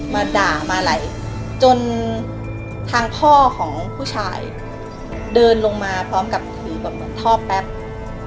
มาด่ามาอะไรจนทางพ่อของผู้ชายเดินลงมาพร้อมกับถือแบบเหมือนท่อแป๊บ